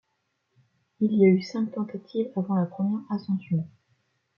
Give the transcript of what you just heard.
Il y a eu cinq tentatives avant la première ascension.